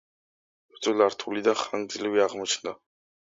ბრძოლა რთული და ხანგრძლივი აღმოჩნდა.